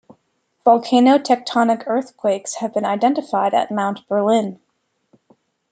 Volcano-tectonic earthquakes have been identified at Mount Berlin.